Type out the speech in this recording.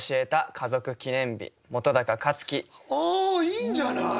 いいんじゃない！？